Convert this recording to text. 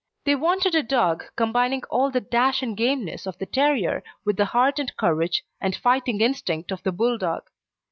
They wanted a dog combining all the dash and gameness of the terrier with the heart and courage and fighting instinct of the Bulldog.